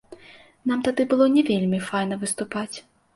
Нам тады было не вельмі файна выступаць.